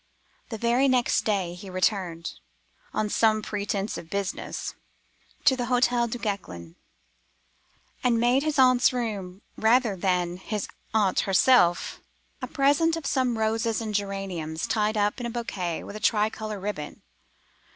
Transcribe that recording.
The very next day he returned—on some pretence of business—to the Hotel Duguesclin, and made his aunt's room, rather than his aunt herself, a present of roses and geraniums tied up in a bouquet with a tricolor ribbon.